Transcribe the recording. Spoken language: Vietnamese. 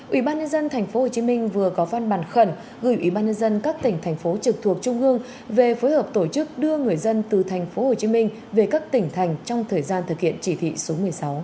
ủy ban nhân dân tp hcm vừa có văn bản khẩn gửi ủy ban nhân dân các tỉnh thành phố trực thuộc trung ương về phối hợp tổ chức đưa người dân từ tp hcm về các tỉnh thành trong thời gian thực hiện chỉ thị số một mươi sáu